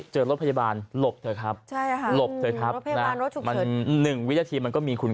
ใช่รถพยาบาลรถฉุบเฉิน